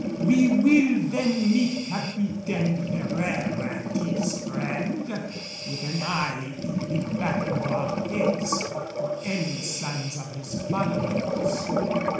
We will then meet Capitaine Ferraire and his friend with an eye in the back of our heads for any signs of his followers."